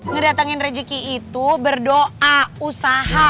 ngedatengin rezeki itu berdoa usaha